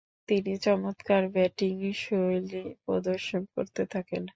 তিনি চমৎকার ব্যাটিংশৈলী প্রদর্শন করতে থাকেন।